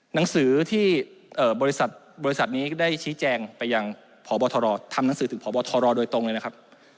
หนังสือที่บริษัทบริษัทนี้ได้ชี้แจงไปยังพบทรทำหนังสือถึงพบทรโดยตรงเลยนะครับ